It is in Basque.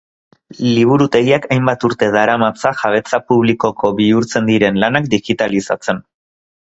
Liburutegiak hainbat urte daramatza jabetza publikoko bihurtzen diren lanak digitalizatzen.